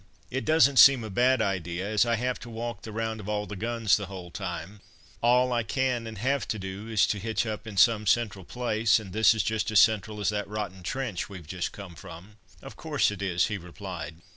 "It doesn't seem a bad idea, as I have to walk the round of all the guns the whole time; all I can and have to do is to hitch up in some central place, and this is just as central as that rotten trench we've just come from." "Of course it is," he replied.